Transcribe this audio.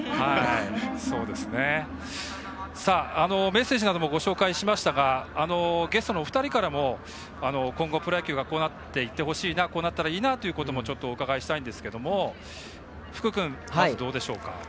メッセージなどもご紹介しましたがゲストのお二人からも今後、プロ野球がこうなってほしいこうなったらいいなということお伺いしたいんですけど福くん、まずどうでしょうか？